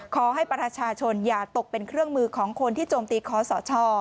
ขอให้ประชาชนอย่าตกเป็นเครื่องมือของคนที่โจมตีคอสช